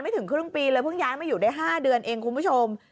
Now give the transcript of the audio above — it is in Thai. ถึงครึ่งปีเลยเพิ่งย้ายมาอยู่ได้๕เดือนเองคุณผู้ชม